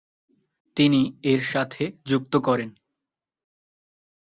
তিনি এর সাথে যুক্ত করেন ।